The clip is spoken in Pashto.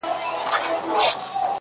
ستا خو جانانه د رڼا خبر په لـپـه كي وي’